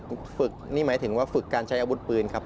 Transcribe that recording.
ฝึกนี่หมายถึงว่าฝึกการใช้อาวุธปืนครับ